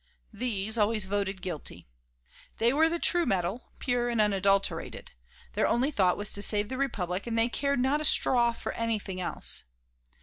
These always voted guilty. They were the true metal, pure and unadulterated; their only thought was to save the Republic and they cared not a straw for anything else.